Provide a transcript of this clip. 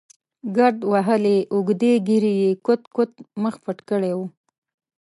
ګرد وهلې اوږدې ږېرې یې کوت کوت مخ پټ کړی و.